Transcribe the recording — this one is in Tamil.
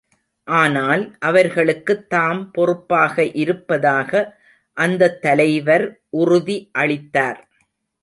ஆனால், அவர்களுக்குத் தாம் பொறுப்பாக இருப்பதாக அந்தத் தலைவர் உறுதி அளித்தார்.